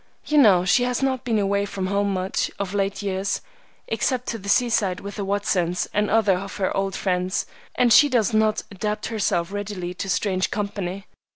"You know she has not been away from home much, of late years, except to the seaside with the Watsons and other of her old friends, and she does not adapt herself readily to strange company."